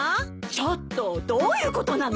ちょっとどういうことなの？